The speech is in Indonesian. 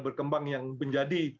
berkembang yang menjadi